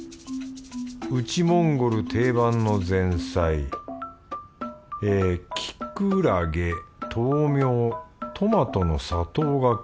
内モンゴル定番の前菜え木耳豆苗トマトの砂糖がけ？